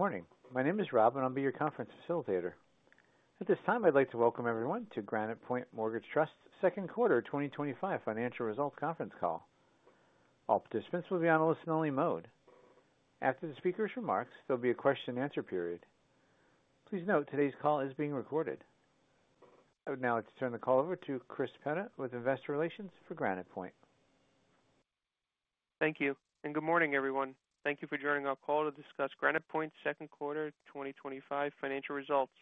Good morning. My name is Rob, and I'll be your conference facilitator. At this time, I'd like to welcome everyone to Granite Point Mortgage Trust's second quarter 2025 Financial Results Conference Call. All participants will be on a listen-only mode. After the speaker's remarks, there will be a question and answer period. Please note today's call is being recorded. I would now like to turn the call over to Chris Petta with Investor Relations for Granite Point. Thank you, and good morning, everyone. Thank you for joining our call to discuss Granite Point's Second Quarter 2025 Financial Results.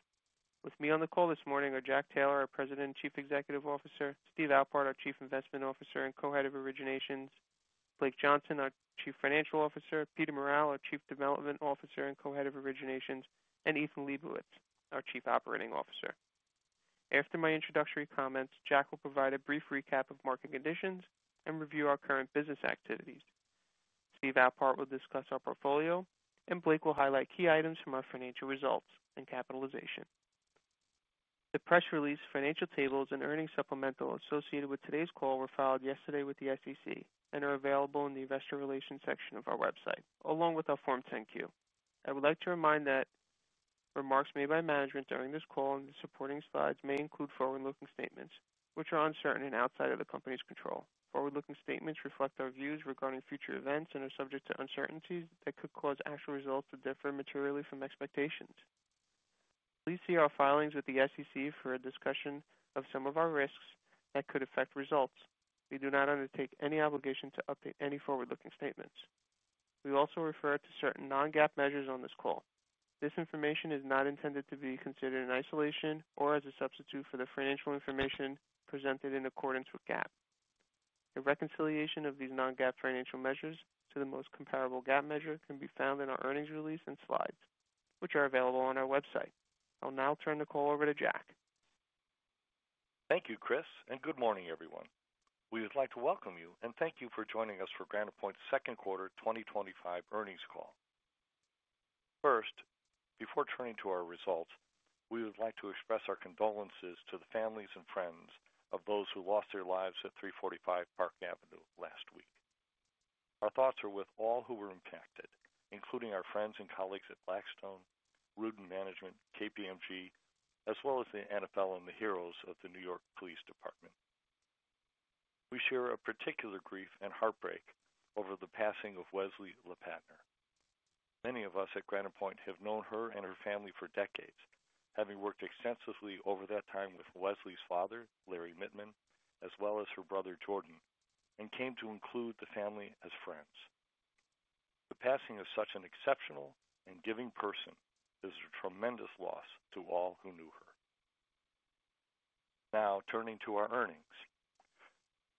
With me on the call this morning are Jack Taylor, our President and Chief Executive Officer, Steve Alpart, our Chief Investment Officer and Co-Head of Originations, Blake Johnson, our Chief Financial Officer, Peter Morral, our Chief Development Officer and Co-Head of Originations, and Ethan Lebowitz, our Chief Operating Officer. After my introductory comments, Jack will provide a brief recap of market conditions and review our current business activities. Steve Alpart will discuss our portfolio, and Blake will highlight key items from our financial results and capitalization. The press release, financial tables, and earnings supplemental associated with today's call were filed yesterday with the SEC and are available in the Investor Relations section of our website, along with our Form 10-Q. I would like to remind that remarks made by management during this call and the supporting slides may include forward-looking statements, which are uncertain and outside of the company's control. Forward-looking statements reflect our views regarding future events and are subject to uncertainties that could cause actual results to differ materially from expectations. Please see our filings with the SEC for a discussion of some of our risks that could affect results. We do not undertake any obligation to update any forward-looking statements. We also refer to certain non-GAAP measures on this call. This information is not intended to be considered in isolation or as a substitute for the financial information presented in accordance with GAAP. A reconciliation of these non-GAAP financial measures to the most comparable GAAP measure can be found in our earnings release and slides, which are available on our website. I will now turn the call over to Jack. Thank you, Chris, and good morning, everyone. We would like to welcome you and thank you for joining us for Granite Point.'s Second Quarter 2025 Earnings Call. First, before turning to our results, we would like to express our condolences to the families and friends of those who lost their lives at 345 Park Avenue last week. Our thoughts are with all who were impacted, including our friends and colleagues at Blackstone, Rudin Management, KPMG, as well as the NFL and the heroes of the New York Police Department. We share a particular grief and heartbreak over the passing of Wesley LePatner. Many of us at Granite Point have known her and her family for decades, having worked extensively over that time with Wesley's father, Larry Mittman, as well as her brother, Jordan, and came to include the family as friends. The passing of such an exceptional and giving person is a tremendous loss to all who knew her. Now, turning to our earnings.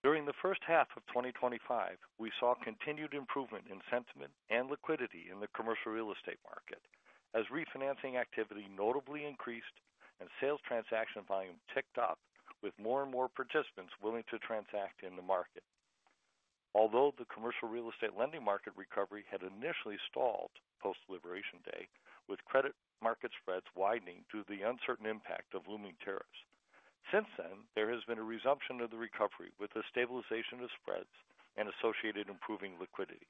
During the first half of 2025, we saw continued improvement in sentiment and liquidity in the commercial real estate market, as refinancing activity notably increased and sales transaction volume ticked up with more and more participants willing to transact in the market. Although the commercial real estate lending market recovery had initially stalled post deliberation day, with credit market spreads widening due to the uncertain impact of looming tariffs, since then, there has been a resumption of the recovery with a stabilization of spreads and associated improving liquidity.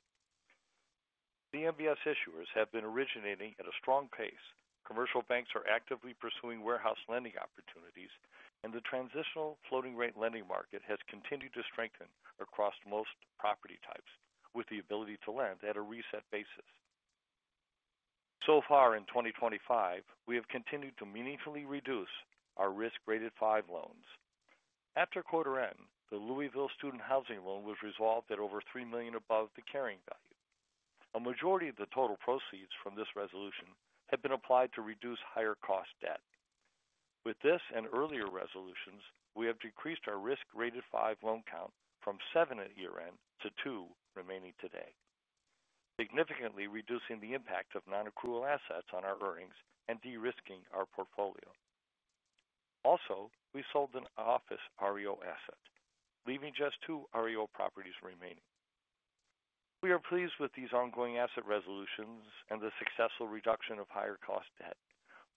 CMBS issuers have been originating at a strong pace, commercial banks are actively pursuing warehouse lending opportunities, and the transitional floating-rate lending market has continued to strengthen across most property types, with the ability to lend at a reset basis. In 2025, we have continued to meaningfully reduce our risk-rated five loans. After quarter end, the Louisville student housing loan was resolved at over $3 million above the carrying value. A majority of the total proceeds from this resolution had been applied to reduce higher-cost debt. With this and earlier resolutions, we have decreased our risk-rated five loan count from seven at year end to two remaining today, significantly reducing the impact of non-accrual assets on our earnings and de-risking our portfolio. Also, we sold an office REO asset, leaving just two REO properties remaining. We are pleased with these ongoing asset resolutions and the successful reduction of higher-cost debt,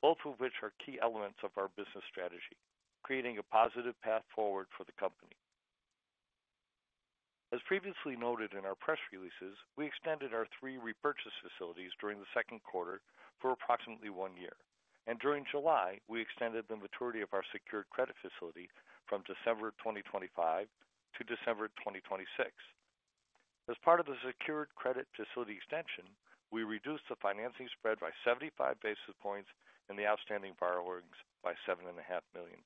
both of which are key elements of our business strategy, creating a positive path forward for the company. As previously noted in our press releases, we extended our three repurchase facilities during the second quarter for approximately one year, and during July, we extended the maturity of our secured credit facility from December 2025 to December 2026. As part of the secured credit facility extension, we reduced the financing spread by 75 basis points and the outstanding borrowings by $7.5 million.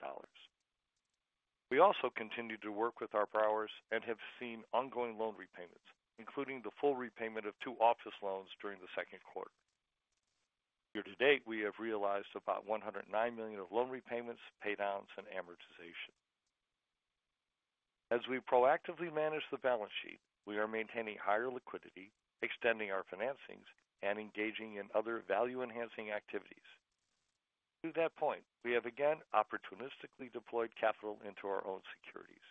We also continue to work with our borrowers and have seen ongoing loan repayments, including the full repayment of two office loans during the second quarter. Year to date, we have realized about $109 million of loan repayments, paydowns, and amortization. As we proactively manage the balance sheet, we are maintaining higher liquidity, extending our financings, and engaging in other value-enhancing activities. To that point, we have again opportunistically deployed capital into our own securities.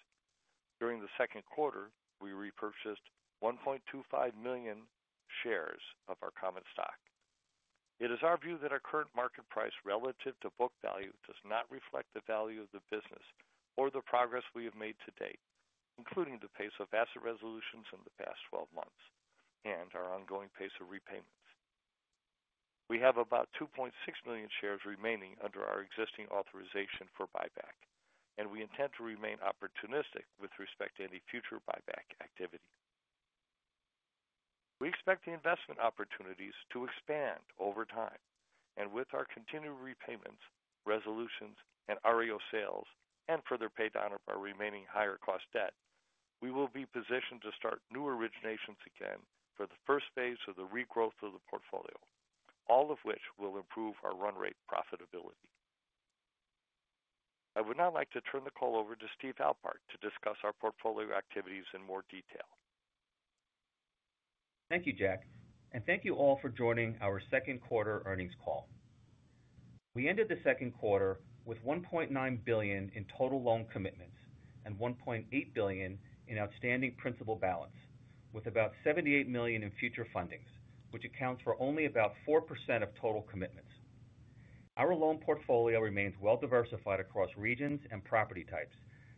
During the second quarter, we repurchased 1.25 million shares of our common stock. It is our view that our current market price relative to book value does not reflect the value of the business or the progress we have made to date, including the pace of asset resolutions in the past 12 months and our ongoing pace of repayments. We have about 2.6 million shares remaining under our existing authorization for buyback, and we intend to remain opportunistic with respect to any future buyback activity. We expect the investment opportunities to expand over time, and with our continued repayments, resolutions, and REO sales, and further paydown of our remaining higher-cost debt, we will be positioned to start new originations again for the first phase of the regrowth of the portfolio, all of which will improve our run-rate profitability. I would now like to turn the call over to Steve Alpart to discuss our portfolio activities in more detail. Thank you, Jack, and thank you all for joining our Second Quarter Earnings Call. We ended the second quarter with $1.9 billion in total loan commitments and $1.8 billion in outstanding principal balance, with about $78 million in future fundings, which accounts for only about 4% of total commitments. Our loan portfolio remains well-diversified across regions and property types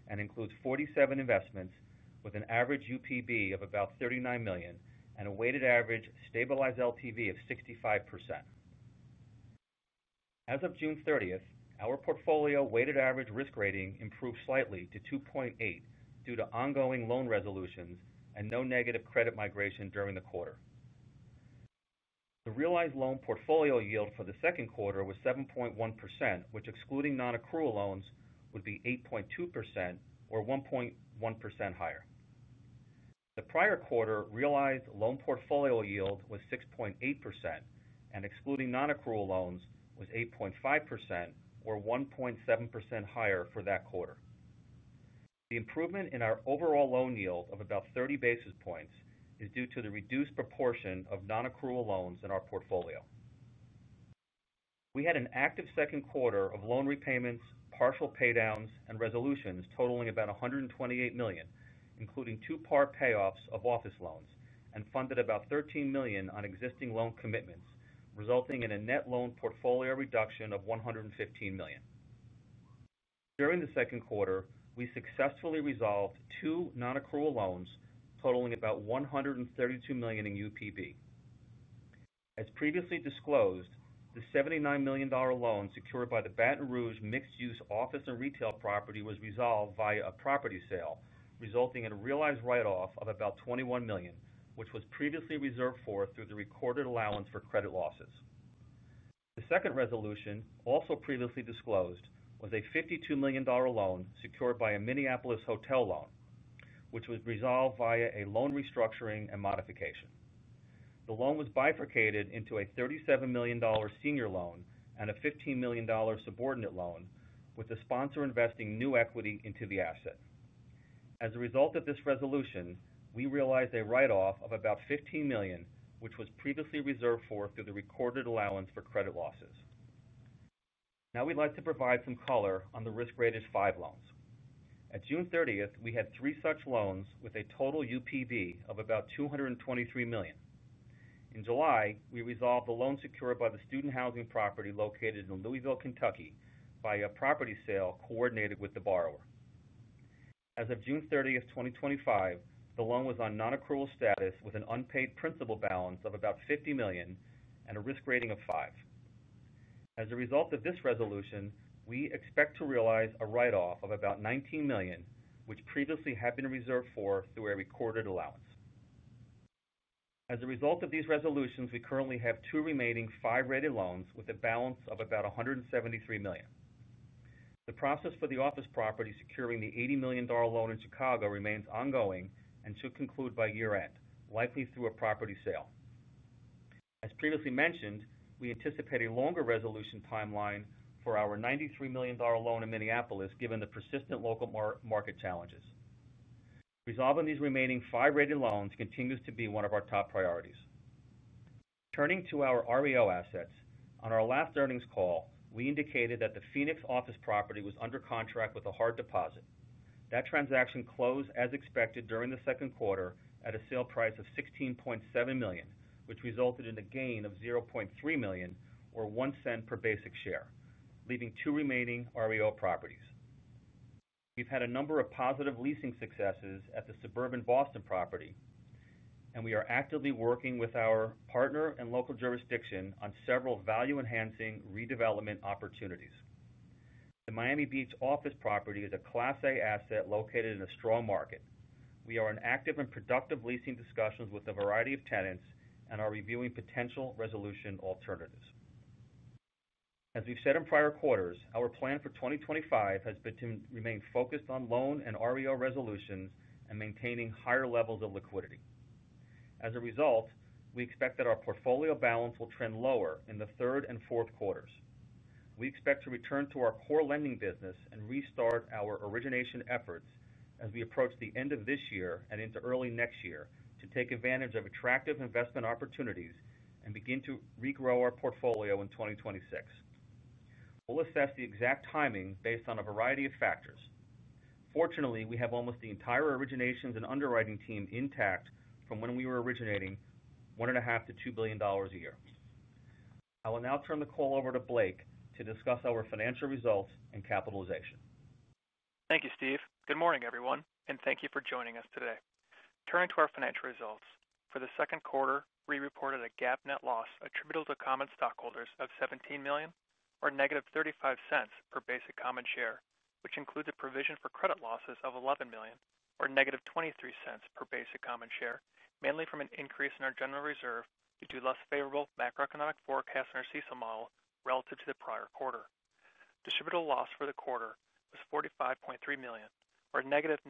and includes 47 investments with an average UPB of about $39 million and a weighted average stabilized LTV of 65%. As of June 30th, our portfolio weighted average risk rating improved slightly to 2.8 due to ongoing loan resolutions and no negative credit migration during the quarter. The realized loan portfolio yield for the second quarter was 7.1%, which excluding non-accrual loans would be 8.2% or 1.1% higher. The prior quarter realized loan portfolio yield was 6.8%, and excluding non-accrual loans was 8.5% or 1.7% higher for that quarter. The improvement in our overall loan yield of about 30 basis points is due to the reduced proportion of non-accrual loans in our portfolio. We had an active second quarter of loan repayments, partial paydowns, and resolutions totaling about $128 million, including two-part payoffs of office loans and funded about $13 million on existing loan commitments, resulting in a net loan portfolio reduction of $115 million. During the second quarter, we successfully resolved two non-accrual loans totaling about $132 million in UPB. As previously disclosed, the $79 million loan secured by the Baton Rouge mixed-use office and retail property was resolved via a property sale, resulting in a realized write-off of about $21 million, which was previously reserved for through the recorded allowance for credit losses. The second resolution, also previously disclosed, was a $52 million loan secured by a Minneapolis hotel loan, which was resolved via a loan restructuring and modification. The loan was bifurcated into a $37 million senior loan and a $15 million subordinate loan, with the sponsor investing new equity into the asset. As a result of this resolution, we realized a write-off of about $15 million, which was previously reserved for through the recorded allowance for credit losses. Now we'd like to provide some color on the risk-rated five loans. At June 30th, we had three such loans with a total UPB of about $223 million. In July, we resolved the loan secured by the student housing property located in Louisville, Kentucky via a property sale coordinated with the borrower. As of June 30th 2025, the loan was on non-accrual status with an unpaid principal balance of about $50 million and a risk rating of five. As a result of this resolution, we expect to realize a write-off of about $19 million, which previously had been reserved for through a recorded allowance. As a result of these resolutions, we currently have two remaining five-rated loans with a balance of about $173 million. The process for the office property securing the $80 million loan in Chicago remains ongoing and should conclude by year end, likely through a property sale. As previously mentioned, we anticipate a longer resolution timeline for our $93 million loan in Minneapolis, given the persistent local market challenges. Resolving these remaining five-rated loans continues to be one of our top priorities. Turning to our REO assets, on our last earnings call, we indicated that the Phoenix office property was under contract with a hard deposit. That transaction closed as expected during the Second Quarter at a sale price of $16.7 million, which resulted in a gain of $0.3 million or $0.01 per basic share, leaving two remaining REO properties. We've had a number of positive leasing successes at the suburban Boston property, and we are actively working with our partner and local jurisdiction on several value-enhancing redevelopment opportunities. The Miami Beach office property is a Class A asset located in a strong market. We are in active and productive leasing discussions with a variety of tenants and are reviewing potential resolution alternatives. As we've said in prior quarters, our plan for 2025 has been to remain focused on loan and REO resolutions and maintaining higher levels of liquidity. As a result, we expect that our portfolio balance will trend lower in the third and fourth quarters. We expect to return to our core lending business and restart our origination efforts as we approach the end of this year and into early next year to take advantage of attractive investment opportunities and begin to regrow our portfolio in 2026. We'll assess the exact timing based on a variety of factors. Fortunately, we have almost the entire originations and underwriting team intact from when we were originating $1.5 billion-$2 billion a year. I will now turn the call over to Blake to discuss our financial results and capitalization. Thank you, Steve. Good morning, everyone, and thank you for joining us today. Turning to our financial results, for the second quarter, we reported a GAAP net loss attributable to common stockholders of $17 million, or -$0.35 per basic common share, which includes a provision for credit losses of $11 million, or -$0.23 per basic common share, mainly from an increase in our general reserve due to less favorable macroeconomic forecasts in our CECL model relative to the prior quarter. Distributable loss for the quarter was $45.3 million, or -$0.94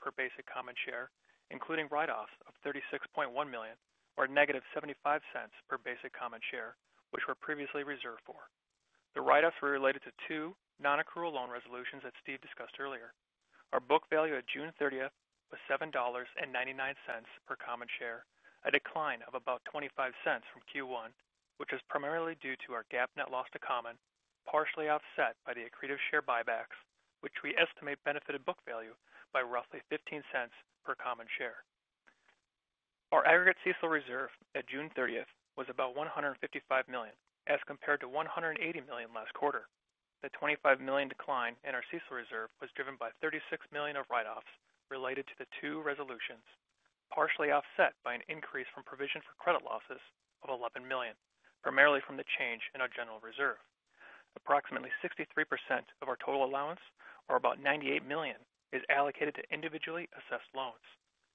per basic common share, including write-offs of $36.1 million, or -$0.75 per basic common share, which were previously reserved for. The write-offs were related to two non-accrual loan resolutions that Steve discussed earlier. Our book value at June 30th was $7.99 per common share, a decline of about $0.25 from Q1, which is primarily due to our GAAP net loss to common, partially offset by the accretive share buybacks, which we estimate benefited book value by roughly $0.15 per common share. Our aggregate CECL reserve at June 30th was about $155 million, as compared to $180 million last quarter. The $25 million decline in our CECL reserve was driven by $36 million of write-offs related to the two resolutions, partially offset by an increase from provision for credit losses of $11 million, primarily from the change in our general reserve. Approximately 63% of our total allowance, or about $98 million, is allocated to individually assessed loans.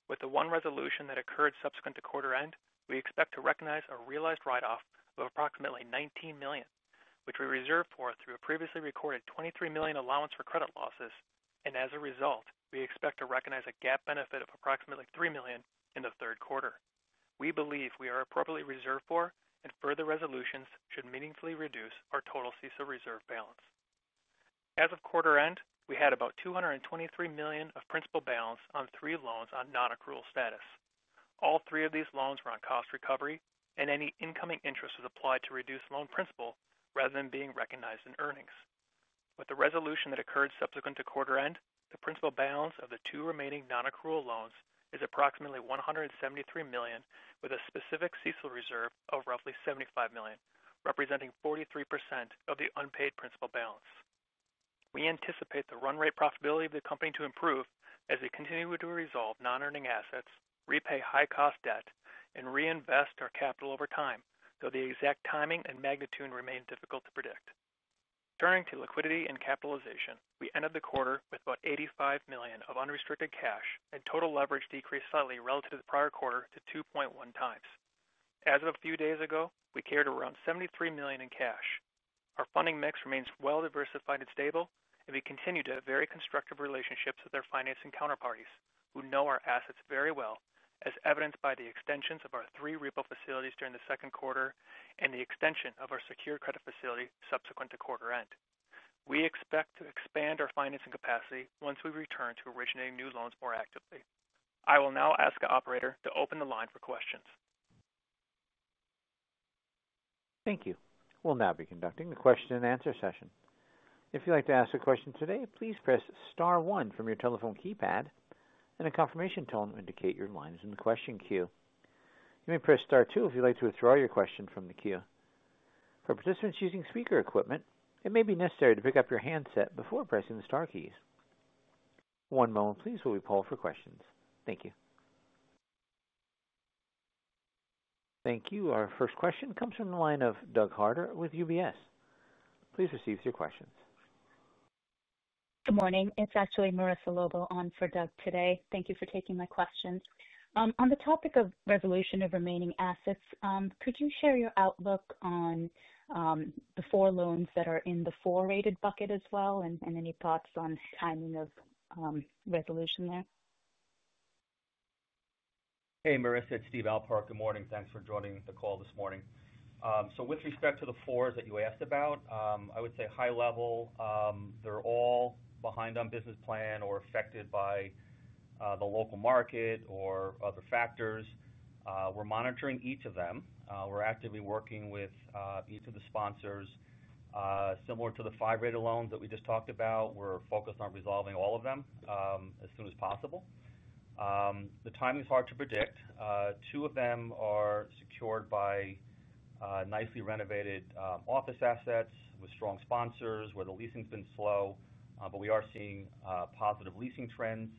With the one resolution that occurred subsequent to quarter end, we expect to recognize a realized write-off of approximately $19 million, which we reserved for through a previously recorded $23 million allowance for credit losses, and as a result, we expect to recognize a GAAP benefit of approximately $3 million in the third quarter. We believe we are appropriately reserved for, and further resolutions should meaningfully reduce our total CECL reserve balance. As of quarter end, we had about $223 million of principal balance on three loans on non-accrual status. All three of these loans were on cost recovery, and any incoming interest was applied to reduce loan principal rather than being recognized in earnings. With the resolution that occurred subsequent to quarter end, the principal balance of the two remaining non-accrual loans is approximately $173 million, with a specific CECL reserve of roughly $75 million, representing 43% of the unpaid principal balance. We anticipate the run-rate profitability of the company to improve as we continue to resolve non-earning assets, repay high-cost debt, and reinvest our capital over time, though the exact timing and magnitude remain difficult to predict. Turning to liquidity and capitalization, we ended the quarter with about $85 million of unrestricted cash, and total leverage decreased slightly relative to the prior quarter to 2.1x. As of a few days ago, we carried around $73 million in cash. Our funding mix remains well-diversified and stable, and we continue to have very constructive relationships with our financing counterparties, who know our assets very well, as evidenced by the extensions of our three repurchase facilities during the second quarter and the extension of our secured credit facility subsequent to quarter end. We expect to expand our financing capacity once we return to originating new loans more actively. I will now ask an operator to open the line for questions. Thank you. We'll now be conducting the question and answer session. If you'd like to ask a question today, please press star one from your telephone keypad, and a confirmation tone will indicate your line is in the question queue. You may press star two if you'd like to withdraw your question from the queue. For participants using speaker equipment, it may be necessary to pick up your handset before pressing the star keys. One moment, please, while we poll for questions. Thank you. Our first question comes from the line of Doug Harter with UBS. Please proceed with your questions. Good morning. It's actually Marissa Lobo on for Doug today. Thank you for taking my questions. On the topic of resolution of remaining assets, could you share your outlook on the four loans that are in the four-rated bucket as well, and any thoughts on the timing of resolution there? Hey, Marissa. It's Steve Alpart. Good morning. Thanks for joining the call this morning. With respect to the fours that you asked about, I would say high level, they're all behind on business plan or affected by the local market or other factors. We're monitoring each of them. We're actively working with each of the sponsors. Similar to the five-rated loans that we just talked about, we're focused on resolving all of them as soon as possible. The timing is hard to predict. Two of them are secured by nicely renovated office assets with strong sponsors where the leasing's been slow, but we are seeing positive leasing trends.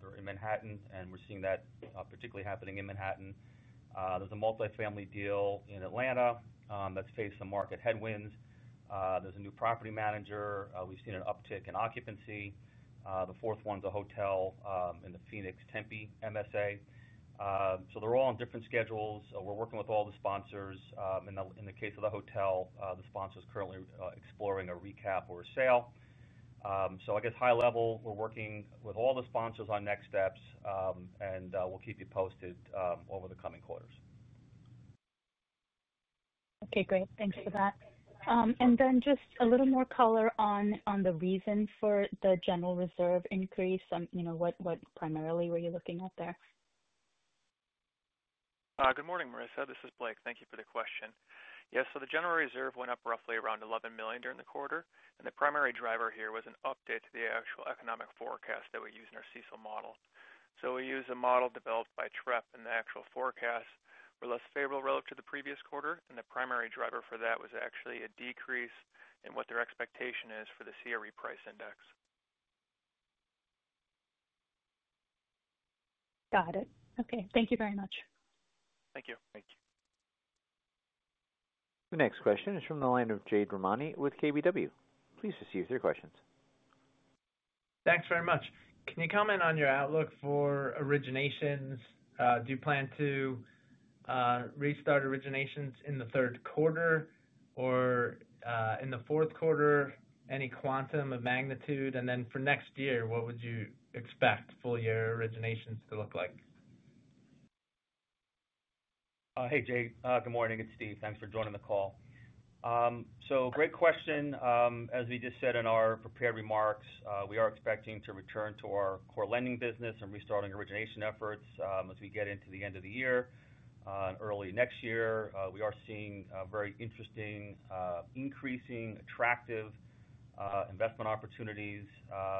They're in Manhattan, and we're seeing that particularly happening in Manhattan. There's a multifamily deal in Atlanta that's faced some market headwinds. There's a new property manager. We've seen an uptick in occupancy. The fourth one's a hotel in the Phoenix-Tempe MSA. They're all on different schedules. We're working with all the sponsors. In the case of the hotel, the sponsor's currently exploring a recap or a sale. High level, we're working with all the sponsors on next steps, and we'll keep you posted over the coming quarters. Okay. Great. Thanks for that. Just a little more color on the reason for the general reserve increase. You know, what primarily were you looking at there? Good morning, Marissa. This is Blake. Thank you for the question. Yeah, the general reserve went up roughly around $11 million during the quarter, and the primary driver here was an update to the actual economic forecast that we use in our CECL model. We use a model developed by Trepp, and the actual forecasts were less favorable relative to the previous quarter. The primary driver for that was actually a decrease in what their expectation is for the CRE price index. Got it. Okay, thank you very much. Thank you. Thank you. The next question is from the line of Jade Rahmani with KBW. Please receive your questions. Thanks very much. Can you comment on your outlook for originations? Do you plan to restart originations in the third quarter or in the fourth quarter, any quantum of magnitude? For next year, what would you expect full-year originations to look like? Hey, Jade. Good morning. It's Steve. Thanks for joining the call. Great question. As we just said in our prepared remarks, we are expecting to return to our core lending business and restarting origination efforts as we get into the end of the year and early next year. We are seeing very interesting, increasing, attractive investment opportunities,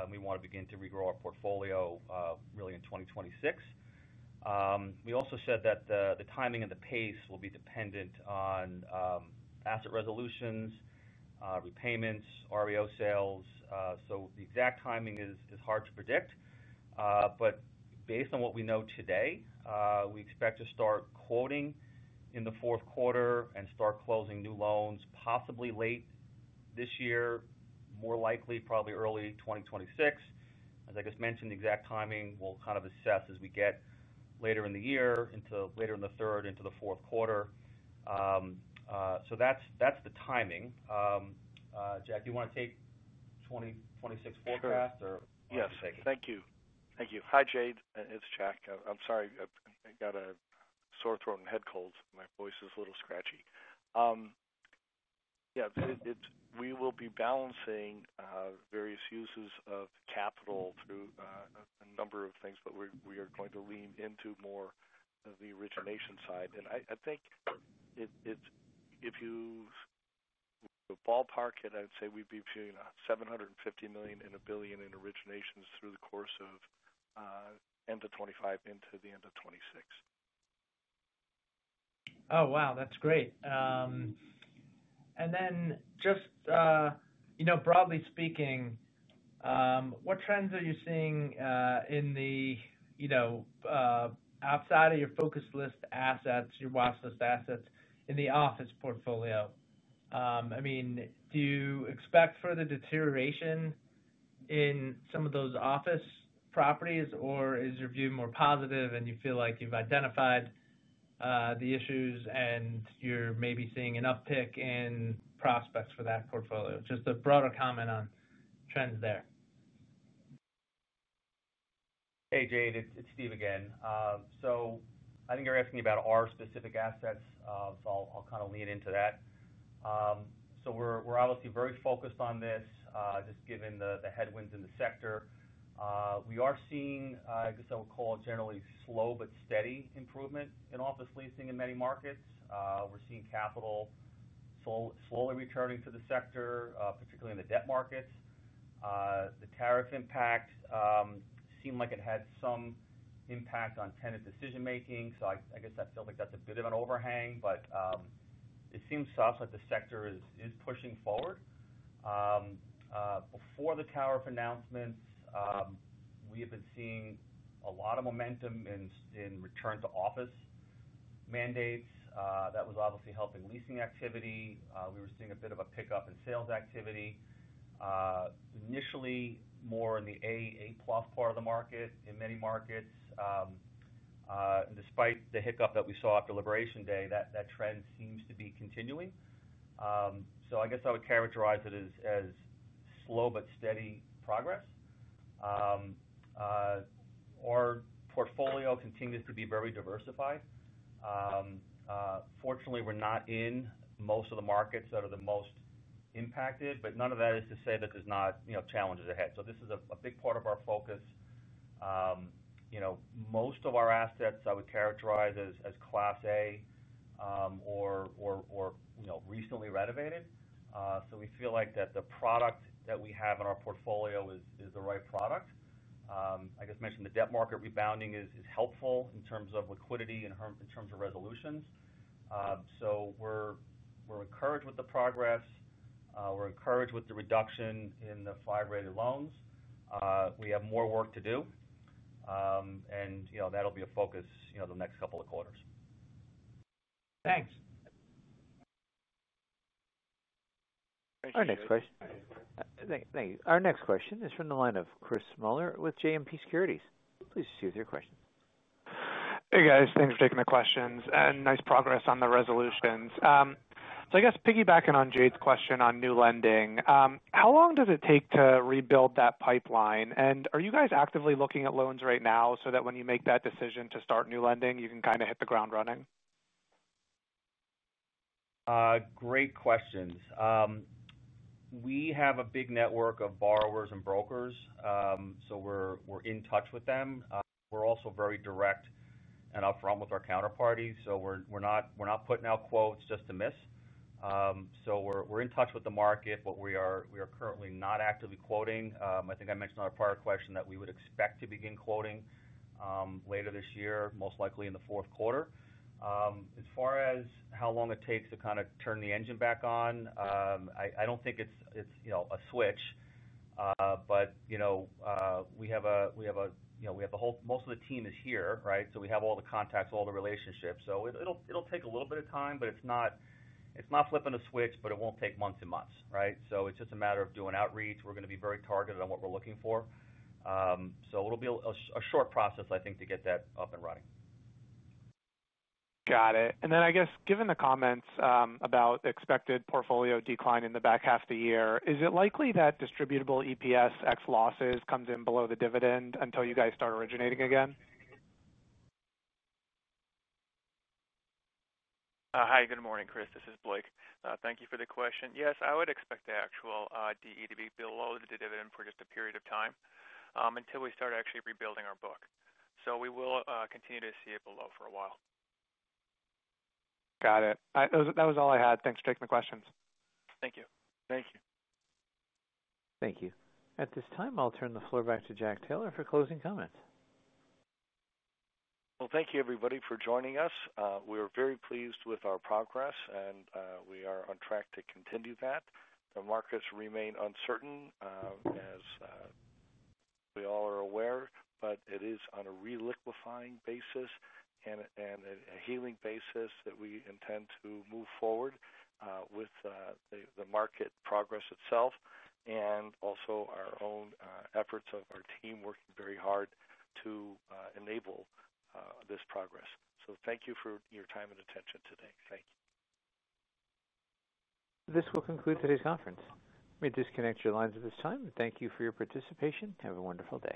and we want to begin to regrow our portfolio, really in 2026. We also said that the timing and the pace will be dependent on asset resolutions, repayments, REO sales. The exact timing is hard to predict, but based on what we know today, we expect to start quoting in the fourth quarter and start closing new loans possibly late this year, more likely probably early 2026. As I just mentioned, the exact timing we'll kind of assess as we get later in the year, into later in the third, into the fourth quarter. That's the timing. Jack, do you want to take 2026 forecast or? Yeah, thank you. Thank you. Hi, Jade. It's Jack. I'm sorry. I got a sore throat and head cold. My voice is a little scratchy. Yeah, we will be balancing various uses of capital through a number of things, but we are going to lean into more of the origination side. I think if you ballpark it, I'd say we'd be between $750 million and $1 billion in originations through the course of end of 2025 into the end of 2026. Oh, wow. That's great. Broadly speaking, what trends are you seeing in the outside of your focus list assets, your watch list assets in the office portfolio? Do you expect further deterioration in some of those office properties, or is your view more positive and you feel you've identified the issues and you're maybe seeing an uptick in prospects for that portfolio? Just a broader comment on trends there. Hey, Jade. It's Steve again. I think you're asking me about our specific assets, so I'll kind of lean into that. We're obviously very focused on this, just given the headwinds in the sector. We are seeing, I guess I would call it generally slow but steady improvement in office leasing in many markets. We're seeing capital slowly returning to the sector, particularly in the debt markets. The tariff impact seemed like it had some impact on tenant decision-making. I guess that feels like that's a bit of an overhang, but it seems to us like the sector is pushing forward. Before the tariff announcements, we have been seeing a lot of momentum in return to office mandates. That was obviously helping leasing activity. We were seeing a bit of a pickup in sales activity, initially more in the A, A+ part of the market in many markets. Despite the hiccup that we saw after Liberation Day, that trend seems to be continuing. I guess I would characterize it as slow but steady progress. Our portfolio continues to be very diversified. Fortunately, we're not in most of the markets that are the most impacted, but none of that is to say that there's not, you know, challenges ahead. This is a big part of our focus. Most of our assets I would characterize as Class A, or, recently renovated. We feel the product that we have in our portfolio is the right product. I just mentioned the debt market rebounding is helpful in terms of liquidity and in terms of resolutions. We're encouraged with the progress. We're encouraged with the reduction in the risk-rated five loans. We have more work to do, and that'll be a focus the next couple of quarters. Thanks. Our next question is from the line of Chris Muller with JMP Securities. Please proceed with your question. Hey, guys. Thanks for taking the questions and nice progress on the resolutions. Piggybacking on Jade's question on new lending, how long does it take to rebuild that pipeline? Are you guys actively looking at loans right now so that when you make that decision to start new lending, you can kind of hit the ground running? Great questions. We have a big network of borrowers and brokers, so we're in touch with them. We're also very direct and upfront with our counterparties, so we're not putting out quotes just to miss. We're in touch with the market, but we are currently not actively quoting. I think I mentioned on a prior question that we would expect to begin quoting later this year, most likely in the fourth quarter. As far as how long it takes to kind of turn the engine back on, I don't think it's a switch. We have the whole, most of the team is here, right? We have all the contacts, all the relationships. It'll take a little bit of time, but it's not flipping a switch, but it won't take months and months, right? It's just a matter of doing outreach. We're going to be very targeted on what we're looking for. It will be a short process, I think, to get that up and running. Got it. I guess given the comments about expected portfolio decline in the back half of the year, is it likely that distributable EPS ex losses come in below the dividend until you guys start originating again? Hi. Good morning, Chris. This is Blake. Thank you for the question. Yes, I would expect the actual DE to be below the dividend for just a period of time until we start actually rebuilding our book. We will continue to see it below for a while. Got it. That was all I had. Thanks for taking the questions. Thank you. Thank you. Thank you. At this time, I'll turn the floor back to Jack Taylor for closing comments. Thank you, everybody, for joining us. We are very pleased with our progress, and we are on track to continue that. The markets remain uncertain, as we all are aware, but it is on a re-liquefying basis and a healing basis that we intend to move forward with the market progress itself and also our own efforts of our team working very hard to enable this progress. Thank you for your time and attention today. Thank you. This will conclude today's conference. Let me disconnect your lines at this time. Thank you for your participation. Have a wonderful day.